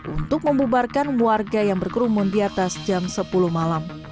untuk membubarkan warga yang berkerumun di atas jam sepuluh malam